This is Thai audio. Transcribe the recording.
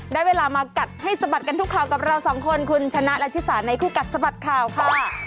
ได้เวลามากัดให้สะบัดกันทุกข่าวกับเราสองคนคุณชนะและชิสาในคู่กัดสะบัดข่าวค่ะ